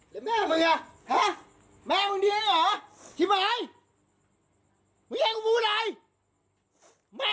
แล้วแม่มันยังไงแม่มันดีเหรอที่มายมันยังอยู่ไหนแม่มันดีเหรอ